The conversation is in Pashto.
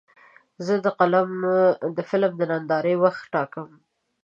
زه د فلم د نندارې وخت ټاکم.